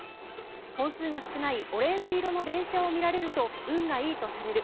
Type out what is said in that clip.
本数が少ないオレンジ色の電車を見られると運がいいとされる